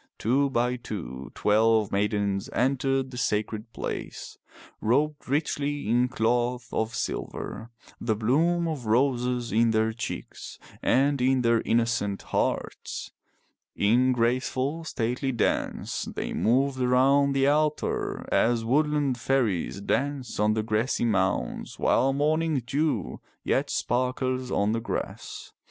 Two by two twelve maidens entered the sacred place, robed richly in cloth of silver, the bloom of roses in their cheeks and in their innocent hearts. In graceful stately dance they moved around the altar as woodland fairies dance on the grassy mounds while morning dew yet sparkles on the grass.